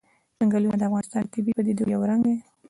چنګلونه د افغانستان د طبیعي پدیدو یو رنګ دی.